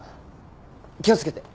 気を付けて。